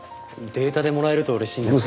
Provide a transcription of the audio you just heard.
データでもらえると嬉しいんですけど。